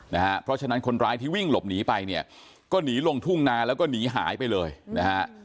นะฮะเพราะฉะนั้นคนร้ายที่วิ่งหลบหนีไปเนี่ยก็หนีลงทุ่งนาแล้วก็หนีหายไปเลยนะฮะ